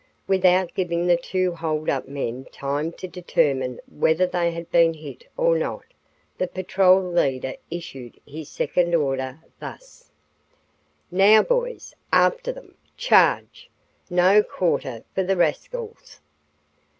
Without giving the two hold up men time to determine whether they had been hit or not, the patrol leader issued his second order, thus: "Now, boys, after them! Charge! No quarter for the rascals!"